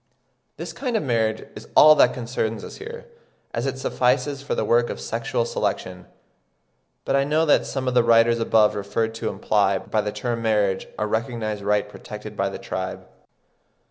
This kind of marriage is all that concerns us here, as it suffices for the work of sexual selection. But I know that some of the writers above referred to imply by the term marriage a recognised right protected by the tribe.